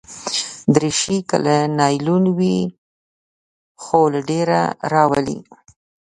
دریشي که له نایلون وي، خوله ډېره راولي.